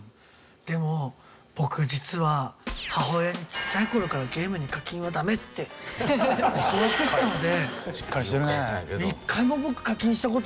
でも僕実は母親にちっちゃい頃から「ゲームに課金はダメ」って教わってきたので。